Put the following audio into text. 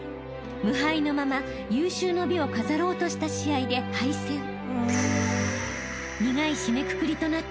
［無敗のまま有終の美を飾ろうとした試合で敗戦］